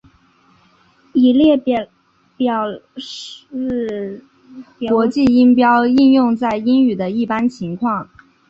此列表展示国际音标应用在英语的一般情况。